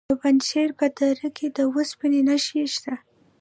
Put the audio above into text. د پنجشیر په دره کې د اوسپنې نښې شته.